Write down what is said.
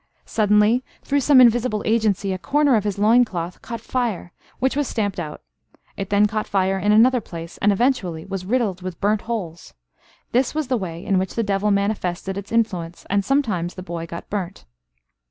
Suddenly, through some invisible agency, a corner of his loin cloth caught fire, which was stamped out. It then caught fire in another place, and eventually was riddled with burnt holes. This was the way in which the devil manifested its influence, and sometimes the boy got burnt.